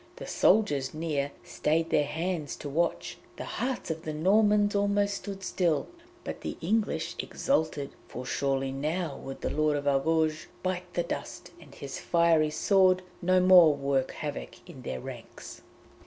The soldiers near stayed their hands to watch; the hearts of the Normans almost stood still, but the English exulted, for surely now would the Lord of Argouges bite the dust, and his fiery sword no more work havoc in their ranks!